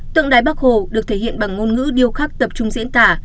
tượng đài bác hồ được thể hiện bằng ngôn ngữ điều khắc tập trung diễn tả